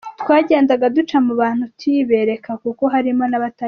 Twagendaga duca mu bantu tuyibereka kuko harimo n’abatayizi.